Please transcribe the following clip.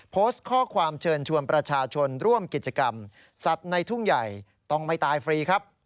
โพสต์ข้อความเชิญชวนประชาชนร่วมกิจกรรมสัตว์ในทุ่งใหญ่ต้องไม่ตายฟรีครับ